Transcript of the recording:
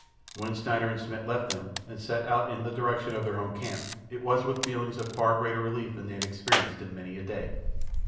When Schneider and Schmidt left them and set out in the direction of their own camp, it was with feelings of far greater relief than they had experienced in many a day.